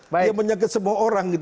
dia menyakit semua orang